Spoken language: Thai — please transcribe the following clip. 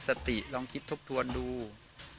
วันนี้ก็จะเป็นสวัสดีครับ